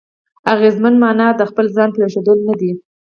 اغېز معنا د خپل ځان پرېښوول نه دی.